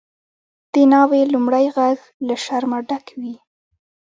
د ناوی لومړی ږغ له شرمه ډک وي.